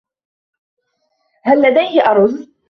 هل لديه أرز?